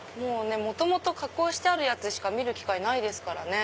元々加工してあるやつしか見る機会ないですからね。